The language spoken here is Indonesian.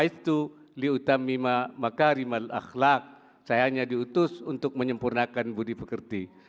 saya hanya diutus untuk menyempurnakan budi pekerti